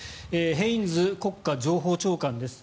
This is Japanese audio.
ヘインズ国家情報長官です。